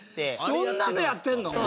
そんなのやってんの？